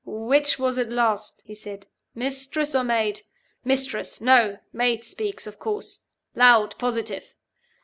"Which was it last?" he said "Mistress or Maid? Mistress? No. Maid speaks, of course. Loud. Positive.